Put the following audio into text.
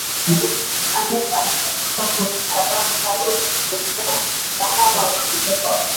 ernest alikuwa kwenye karamu katika mgahawa wa meli